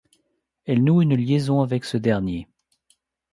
Elle noue une liaison avec ce dernier.